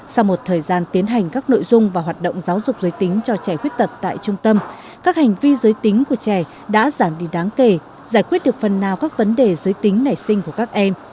sau một thời gian tiến hành các nội dung và hoạt động giáo dục giới tính cho trẻ khuyết tật tại trung tâm các hành vi giới tính của trẻ đã giảm đi đáng kể giải quyết được phần nào các vấn đề giới tính nảy sinh của các em